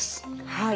はい。